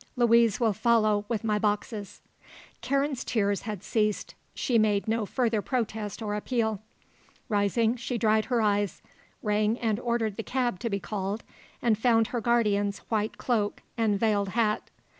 Louise will follow with my boxes." Karen's tears had ceased. She made no further protest or appeal. Rising, she dried her eyes, rang and ordered the cab to be called and found her guardian's white cloak and veiled hat.